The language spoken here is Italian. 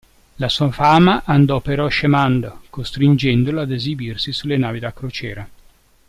La sua fama andò però scemando, costringendolo ad esibirsi sulle navi da crociera.